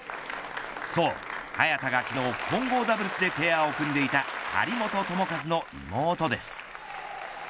そう、早田が昨日混合ダブルスでペアを組んでいた張本智和の妹です。